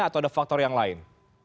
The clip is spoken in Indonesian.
atau ada faktor yang lain